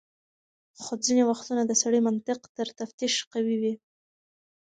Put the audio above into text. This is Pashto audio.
خو ځینې وختونه د سړي منطق تر تفتيش قوي وي.